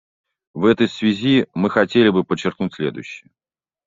В этой связи мы хотели бы подчеркнуть следующее.